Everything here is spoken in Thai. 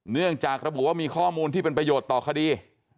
เนื่องจากระบุว่ามีข้อมูลที่เป็นประโยชน์ต่อคดี